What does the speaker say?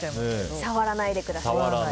触らないでください。